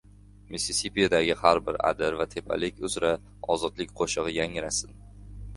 Missisipidagi har bir adir va tepalik uzra ozodlik qo‘shig‘i yangrasin!